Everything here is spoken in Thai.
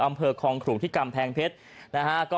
อำเภอคลองขลุงที่กำแพงเพชรนะฮะ